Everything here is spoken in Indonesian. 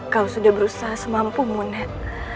kau sudah berusaha semampu muned